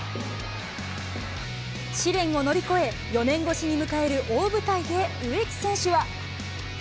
試練を乗り越え、４年越しに迎える大舞台で植木選手は。